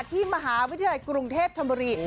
ที่มหาวิทยาลัยกรุงเทพธนบุรี